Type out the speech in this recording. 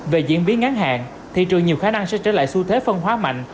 về diễn biến ngắn hạn thị trường nhiều khả năng sẽ trở lại xu thế phân hóa mạnh